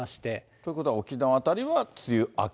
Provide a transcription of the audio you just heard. ということは、沖縄辺りは梅雨明け？